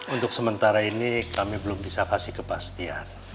untuk sementara ini kami belum bisa kasih kepastian